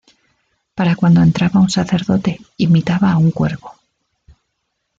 Para cuando entraba un sacerdote imitaba a un cuervo.